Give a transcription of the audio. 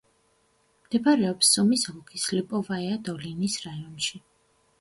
მდებარეობს სუმის ოლქის ლიპოვაია-დოლინის რაიონში.